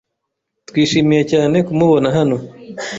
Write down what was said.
Twishimiye cyane kumubona hano.